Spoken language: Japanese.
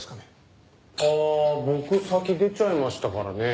ああ僕先出ちゃいましたからねえ。